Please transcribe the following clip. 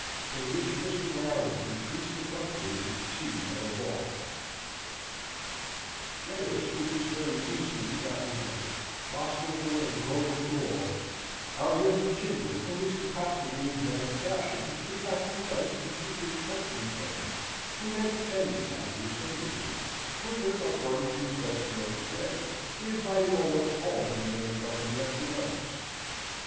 In which Mr. Warrington treats the Company with Tea and a Ball Generous with his very easily gotten money, hospitable and cordial to all, our young Virginian, in his capacity of man of fashion, could not do less than treat his country friends to an entertainment at the Assembly Rooms, whither, according to the custom of the day, he invited almost all the remaining company at the Wells.